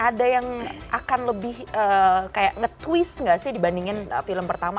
ada yang akan lebih kayak nge twist nggak sih dibandingin film pertama